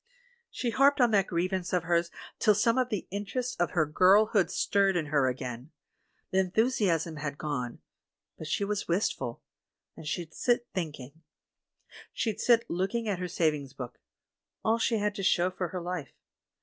"She harped on that grievance of hers till some of the interests of her girlhood stirred in her again. The enthusiasm had gone, but she was wistful. And she'd sit thinking. She'd sit look ing at her savings book — all she had to show for her life.